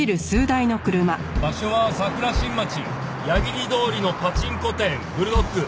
場所は桜新町矢切通りのパチンコ店ブルドッグ。